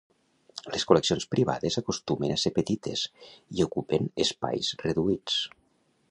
Les col·leccions privades acostumen a ser petites i ocupen espais reduïts.